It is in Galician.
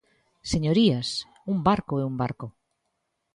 Señorías, un barco é un barco.